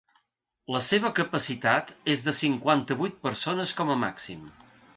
La seva capacitat és de cinquanta-vuit persones com a màxim.